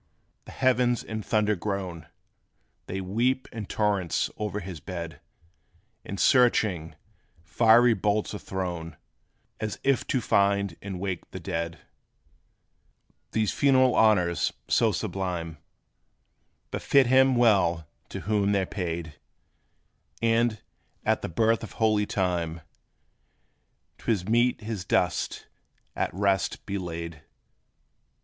the heavens in thunder groan; They weep in torrents o'er his bed; And searching, fiery bolts are thrown, As if to find and wake the dead. These funeral honors, so sublime, Befit him well to whom they 're paid; And, at the birth of holy time, 'T is meet his dust at rest be laid.